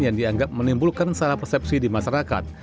yang dianggap menimbulkan salah persepsi di masyarakat